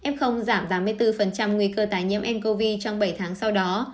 f giảm giảm một mươi bốn nguy cơ tái nhiễm ncov trong bảy tháng sau đó